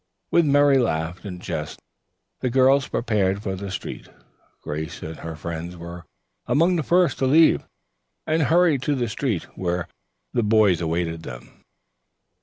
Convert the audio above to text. With merry laugh and jest the girls prepared for the street. Grace and her friends were among the first to leave, and hurried to the street, where the boys awaited them.